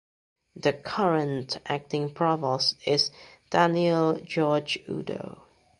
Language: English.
The current acting provost is Daniel George Udo.